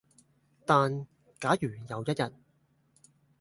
但假如有一日